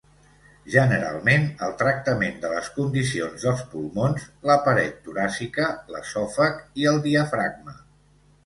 Generalment el tractament de les condicions dels pulmons, la paret toràcica, l'esòfag i el diafragma.